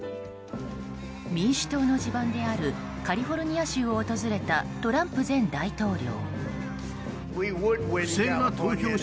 民主党の地盤であるカリフォルニア州を訪れたトランプ前大統領。